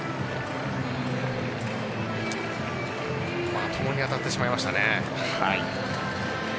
まともに当たってしまいましたね。